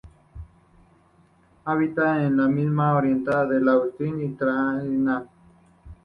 Habita en la mitad oriental de Australia y Tasmania.